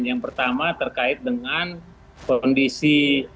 yang pertama terkait dengan kondisi